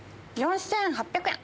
４８００円。